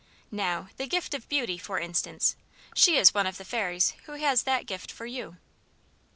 Now, the gift of beauty, for instance; she is one of the fairies who has that gift for you."